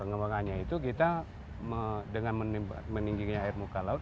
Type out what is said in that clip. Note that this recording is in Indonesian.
pengembangannya itu kita dengan meningginya air muka laut